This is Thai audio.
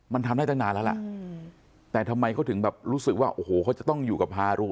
มันทำได้ตั้งนานแล้วล่ะแต่ทำไมเขาถึงแบบรู้สึกว่าโอ้โหเขาจะต้องอยู่กับฮารู